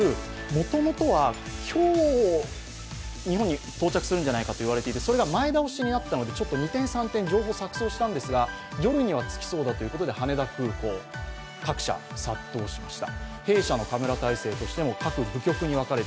もともとは今日、日本に到着するのではないかと言われていてそれが前倒しになったので二転三転情報が錯そうしたんですが夜には着きそうだということで羽田空港、各社殺到しました。